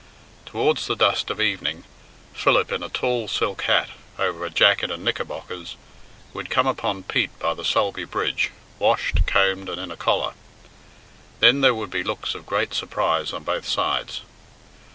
Towards the dusk of evening Philip, in a tall silk hat over a jacket and knickerbockers, would come upon Pete by the Sulby bridge, washed, combed, and in a collar. Then there would be looks of great surprise on both sides.